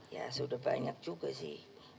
ya sudah banyak juga sih